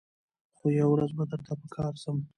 خو یوه ورځ به درته په کار سم